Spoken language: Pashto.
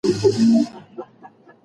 قومي غرور عصبیت پیدا کوي.